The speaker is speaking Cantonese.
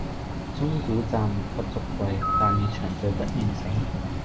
鐘鼓饌玉不足貴，但願長醉不願醒